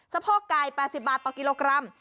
พ่อไก่๘๐บาทต่อกิโลกรัม